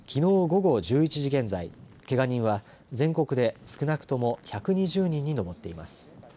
午後１１時現在けが人は、全国で少なくとも１２０人に上っています。